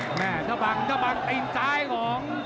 หมาให้เตะบังทางน้อง